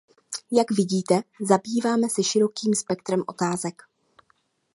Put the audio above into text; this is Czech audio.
Jak vidíte, zabýváme se širokým spektrem otázek.